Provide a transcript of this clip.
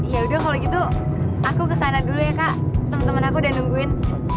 ya udah kalau gitu aku ke sana dulu ya kak teman teman aku dan nungguin